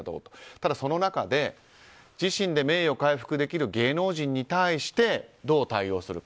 ただ、その中で自身で名誉回復できる芸能人に対してどう対応するか。